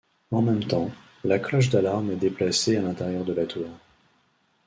En même temps, la cloche d'alarme est déplacée à l'intérieur de la tour.